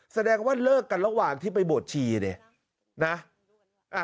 แสดงว่าเลิกกันระหว่างที่ไปบวชชีเนี่ยนะ